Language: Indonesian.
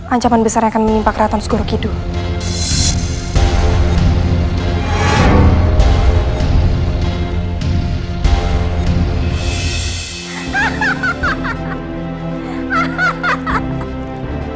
ancaman besar yang akan menimpa keratan segera kidul